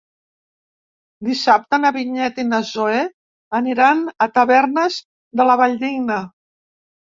Dissabte na Vinyet i na Zoè aniran a Tavernes de la Valldigna.